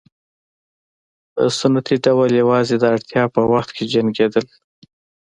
په سنتي ډول یوازې د اړتیا په وخت کې جنګېدل.